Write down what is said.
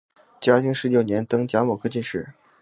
嘉庆十九年登甲戌科进士。